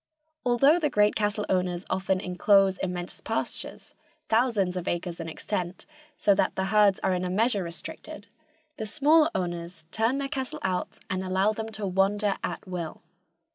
Although the great cattle owners often inclose immense pastures, thousands of acres in extent, so that the herds are in a measure restricted, the smaller owners turn their cattle out and allow them to wander at will.